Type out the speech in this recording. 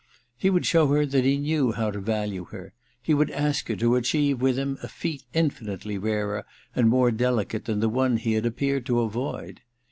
He would show her that he knew how to value her ; he would ask her to achieve with him a feat infinitely rarer and more delicate than the one he had appeared to avoid.